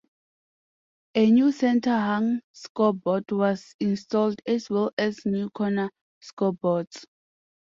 A new center-hung scoreboard was installed as well as new corner scoreboards.